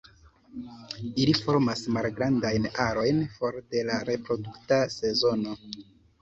Ili formas malgrandajn arojn for de la reprodukta sezono.